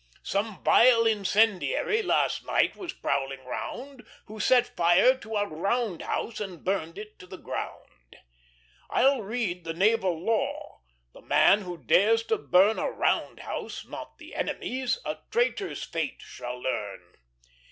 "Some vile incendiary Last night was prowling round, Who set fire to our round house And burned it to the ground. "I'll read the Naval Law; The man who dares to burn A round house, not the Enemy's, A traitor's fate shall learn.